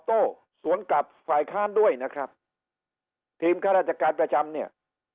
โต้สวนกับฝ่ายค้านด้วยนะครับทีมข้าราชการประจำเนี่ย